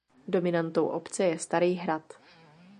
Dominantou obce je Starý hrad.